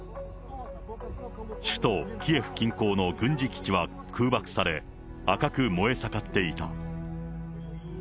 首都キエフ近郊の軍事基地は空爆され、赤く燃え盛っていた。